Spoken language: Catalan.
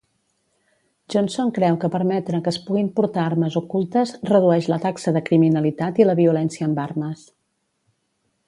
Johnson creu que permetre que es puguin portar armes ocultes redueix la taxa de criminalitat i la violència amb armes.